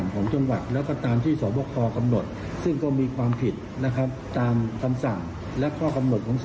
ก็ว่ากันไปตามกฎหมาย